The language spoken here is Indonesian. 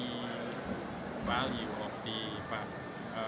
karena kita juga harus mempelajari proposal dari perusahaan